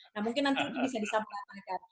nah mungkin nanti bisa disampaikan